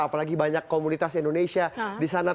apalagi banyak komunitas indonesia di sana